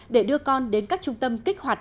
để đưa con đến các trung tâm kích hoạt